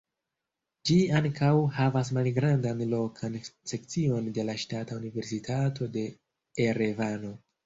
Ĝi ankaŭ havas malgrandan lokan sekcion de la Ŝtata Universitato de Erevano.